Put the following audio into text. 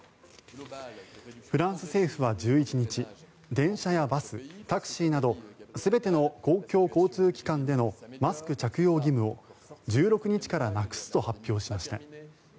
フランス政府は１１日電車やバス、タクシーなど全ての公共交通機関でのマスク着用義務を１６日からなくすと発表しました。